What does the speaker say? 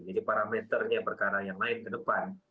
jadi parameternya perkara yang lain ke depan